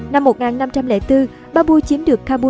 năm một nghìn năm trăm linh bốn babur chiếm được kabul